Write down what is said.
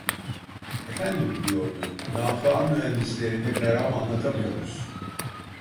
Efendim! diyordu, "Nafıa mühendislerine meram anlatamıyoruz…"